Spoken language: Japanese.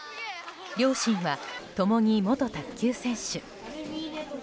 両親は共に元卓球選手。